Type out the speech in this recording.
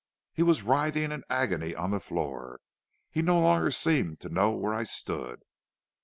He was writhing in agony on the floor; he no longer seemed to know where I stood.